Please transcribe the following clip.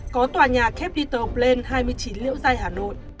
có tòa nhà capitol plain hai mươi chín liễu giai hà nội